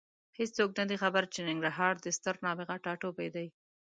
هېڅوک نه دي خبر چې ننګرهار د ستر نابغه ټاټوبی دی.